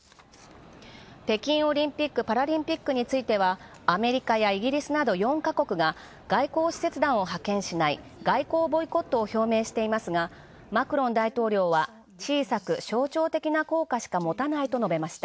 北京オリンピック・パラリンピックについてはアメリカやイギリスなど４カ国が外交使節団を派遣しない外交ボイコットを表明していますが、マクロン大統領は小さく象徴的な効果しか持たないと述べました。